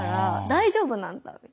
「大丈夫なんだ」って。